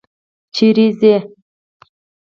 چیري ځې؟